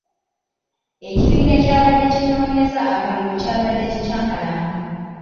Ekibinja kyabadde kinnoonyeza akalulu kyabadde kikyankalamu.